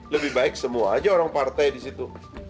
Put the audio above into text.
lebih baik semua aja orang partai di situ